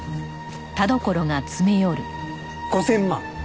５０００万。